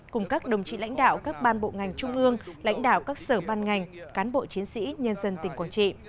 cùng các đồng chí lãnh đạo các ban bộ ngành trung ương lãnh đạo các sở ban ngành cán bộ chiến sĩ nhân dân tỉnh quảng trị